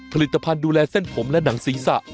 ผลิตภัณฑ์ดูแลเส้นผมและหนังศีรษะ